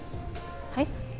はい？